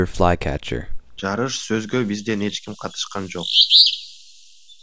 Жарыш сөзгө бизден эч ким катышкан жок.